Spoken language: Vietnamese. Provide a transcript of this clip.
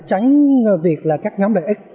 tránh việc là các nhóm lợi ích